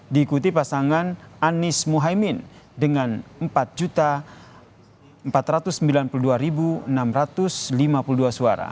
diikuti pasangan anies mohaimin dengan empat empat ratus sembilan puluh dua enam ratus lima puluh dua suara